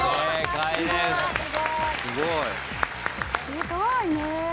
すごいね。